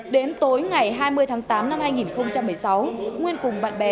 đến tối ngày hai mươi tháng tám năm hai nghìn một mươi sáu nguyên cùng bạn bè